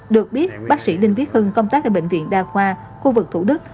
được biết bác sĩ đinh viết hưng công tác ở bệnh viện đa khoa khu vực thủ đức